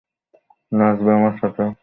নাচবে আমার সাথে?